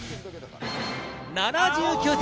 ７９点。